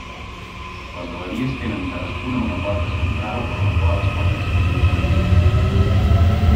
Les galeries tenen cadascuna una porta central per la qual es pot accedir al jardí.